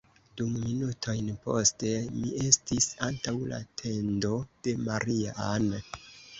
Du minutojn poste, mi estis antaŭ la tendo de Maria-Ann.